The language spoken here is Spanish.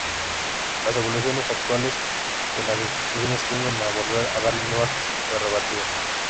Las evoluciones actuales de las instituciones tienden a volver a darle nuevas prerrogativas.